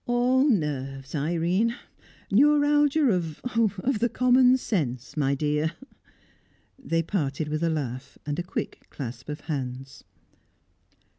"All nerves, Irene! Neuralgia of of the common sense, my dear!" They parted with a laugh and a quick clasp of hands.